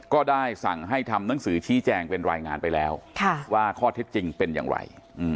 ก็ได้สั่งให้ทำหนังสือชี้แจงเป็นรายงานไปแล้วว่าข้อเท็จจริงเป็นอย่างไร